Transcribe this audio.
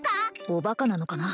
おバカなのかな！？